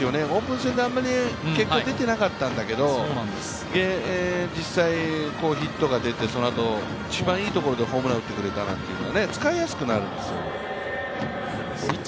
オープン戦であまり結果が出てなかったんだけれども、実際ヒットが出て、そのあと一番いいところでホームラン打ってくれたというと使いやすくなるんです。